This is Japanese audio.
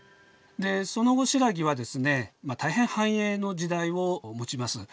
でその後新羅はですね大変繁栄の時代を持ちます。